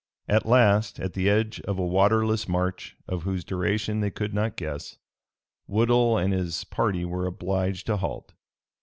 At last, at the edge of a waterless march of whose duration they could not guess, Woodhull and his party were obliged to halt.